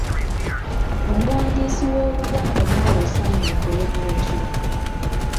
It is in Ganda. Omuwandiisi w’Oluganda naawe osaanye okole bw’otyo.